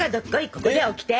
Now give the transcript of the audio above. ここでオキテ！